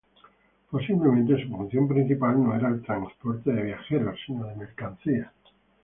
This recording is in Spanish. Posiblemente, su función principal no era el transporte de viajeros sino de mercancías.